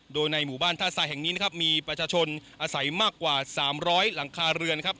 โดยในหมู่บ้านท่าทรายแห่งนี้นะครับมีประชาชนอาศัยมากกว่า๓๐๐หลังคาเรือนครับ